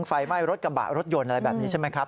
ไฟไหม้รถกระบะรถยนต์อะไรแบบนี้ใช่ไหมครับ